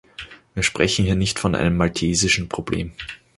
Wir sprechen hier nicht von einem maltesischen Problem.